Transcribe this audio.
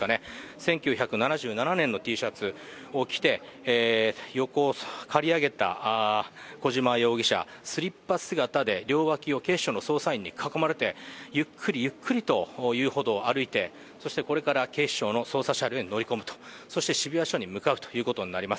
１９７７年のＴシャツを着て横を刈り上げた小島容疑者、スリッパ姿で両脇を警視庁の捜査員に囲まれて、ゆっくり、ゆっくりと遊歩道を歩いてそしてこれから警視庁の捜査車両に乗り込むと、そして渋谷署に向かうということになります。